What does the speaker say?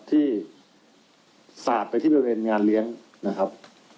ที่สาดไปที่บริเวณงานเลี้ยงนะครับ